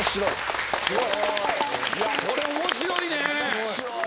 すごい！いやこれ面白いね。